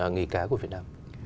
nghề cá của việt nam